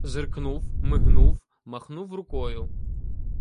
Зиркнув, мигнув, махнув рукою